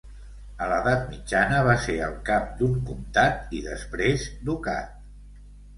A l'edat mitjana va ser el cap d'un comtat i després ducat.